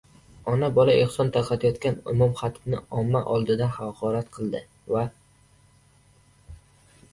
Ona-bola ehson tarqatayotgan imom-xatibni omma oldida haqorat qildi. Va...